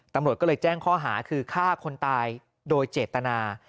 ตำรวจก็เลยแจ้งข้อหาคือฆ่าคนตายโดยเจตนา